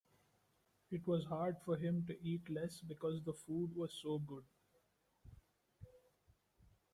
It was hard for him to eat less because the food was so good.